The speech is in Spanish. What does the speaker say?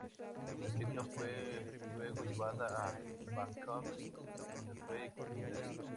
La película fue luego llevada a Bangkok, donde fue exhibida.